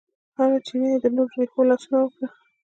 هره چینه کې یې د نور رېښو لاسونه وکړه